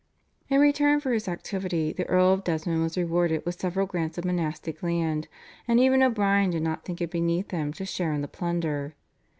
In return for his activity the Earl of Desmond was rewarded with several grants of monastic land, and even O'Brien did not think it beneath him to share in the plunder.